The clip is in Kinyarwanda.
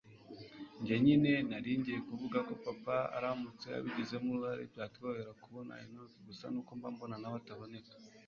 njye nyine naringiye kuvuga ko papa aramutse abigizemo uruhari byatworohera kubona enock gusa nuko mba mbona nawe ataboneka